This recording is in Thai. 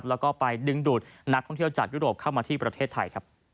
แล้วก็ไปดึงดูดนักท่องเที่ยวจากยุโรปเข้ามาที่ประเทศไทยครับ